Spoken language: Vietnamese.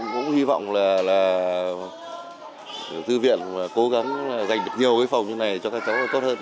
vẫn hy vọng là thư viện cố gắng dành được nhiều cái phòng như thế này cho các cháu là tốt hơn